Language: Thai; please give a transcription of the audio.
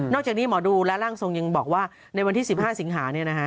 นอกจากนี้หมอดูและร่างทรงยังบอกว่าในวันที่๑๕สิงหาเนี่ยนะฮะ